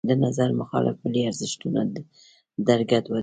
د نظر مخالف د ملي ارزښتونو درګډ وي.